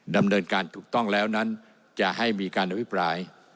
ดำเนินการถูกต้องแล้วนั้นจะให้มีการอภิปราย